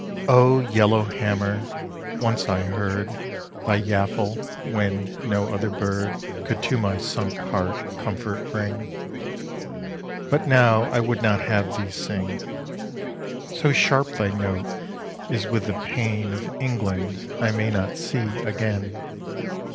O yellow hammer, once I heard Thy yaffle when no other bird Could to my sunk heart comfort bring; But now I would not have thee sing, So sharp thy note is with the pain Of England I may not see again!